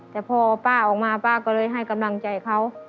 แต่พอป้าออกมาป้าก็เลยให้กำลังใจเขา